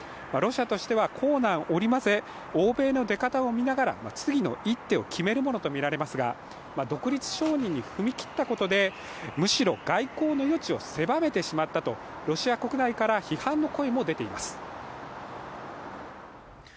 ロシアとしては硬軟織り交ぜ欧米の出方を見ながら次の一手を決めるものとみられますが、独立承認に踏み切ったことでむしろ外交の余地を狭めてしまったとロシア国内から批判の声も出ています。